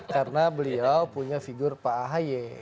karena beliau punya figur pak ahi